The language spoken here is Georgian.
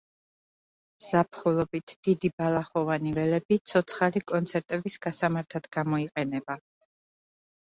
ზაფხულობით დიდი ბალახოვანი ველები ცოცხალი კონცერტების გასამართად გამოიყენება.